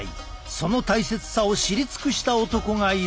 その大切さを知り尽くした男がいる。